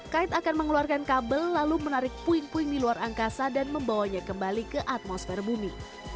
kait akan mengeluarkan kabel lalu menarik puing puing di luar angkasa dan membawanya kembali ke atmosfer bumi